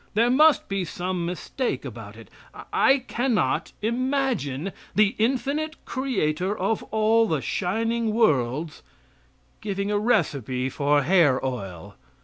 There must be some mistake about it. I cannot imagine the infinite Creator of all the shining worlds giving a recipe for hair oil.